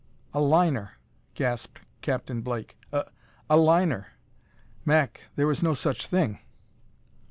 "A liner!" gasped Captain Blake. "A a liner! Mac, there is no such thing."